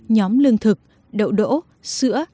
nhóm lương thực đậu đỗ sữa